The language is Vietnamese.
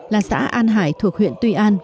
năm mươi là xã an hải thuộc huyện tuy an